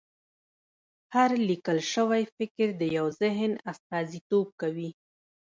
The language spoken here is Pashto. هر لیکل شوی فکر د یو ذهن استازیتوب کوي.